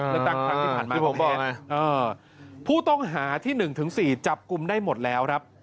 เลือกตั้งครั้งที่ผ่านมาที่ผมบอกผู้ต้องหาที่๑๔จับกลุ่มได้หมดแล้วครับ